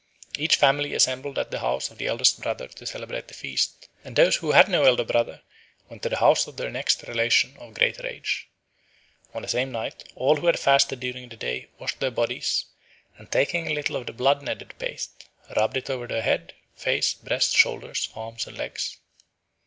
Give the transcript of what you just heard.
Each family assembled at the house of the eldest brother to celebrate the feast; and those who had no elder brother went to the house of their next relation of greater age. On the same night all who had fasted during the day washed their bodies, and taking a little of the blood kneaded paste, rubbed it over their head, face, breast, shoulders, arms and legs.